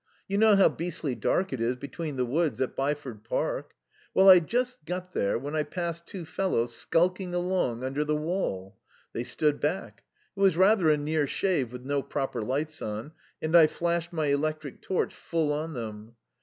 You know how beastly dark it is between the woods at Byford Park? Well, I'd just got there when I passed two fellows skulking along under the wall. They stood back it was rather a near shave with no proper lights on and I flashed my electric torch full on them.